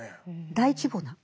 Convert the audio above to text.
大規模な。